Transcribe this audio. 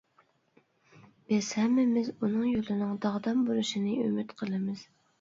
بىز ھەممىمىز ئۇنىڭ يولىنىڭ داغدام بولۇشىنى ئۈمىد قىلىمىز.